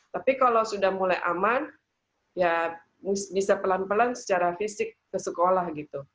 tapi kalau sudah mulai aman ya bisa pelan pelan secara fisik ke sekolah gitu